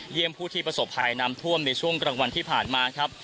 ผู้ที่ประสบภัยน้ำท่วมในช่วงกลางวันที่ผ่านมาครับ